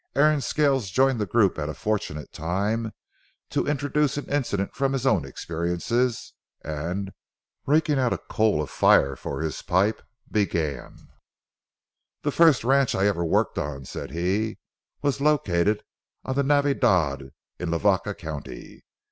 Aaron Scales joined the group at a fortunate time to introduce an incident from his own experience, and, raking out a coal of fire for his pipe, began:— "The first ranch I ever worked on," said he, "was located on the Navidad in Lavaca County.